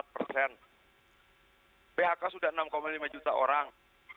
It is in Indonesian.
phk sudah enam lima juta orang